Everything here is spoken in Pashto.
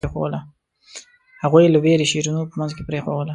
هغوی له وېرې شیرینو په منځ کې پرېښووله.